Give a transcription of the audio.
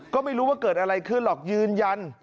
ก็ไม่รู้ว่าเกิดอะไรขึ้นหรอกยืนยัน